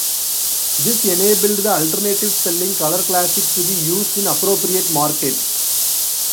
This enabled the alternative spelling "Colour Classic" to be used in appropriate markets.